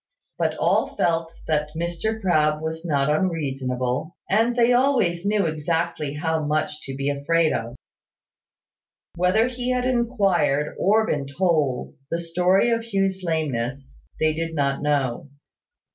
But all felt that Mr Crabbe was not unreasonable, and they always knew exactly how much to be afraid of. Whether he had inquired, or been told, the story of Hugh's lameness, they did not know.